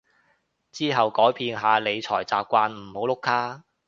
之後改變下理財習慣唔好碌卡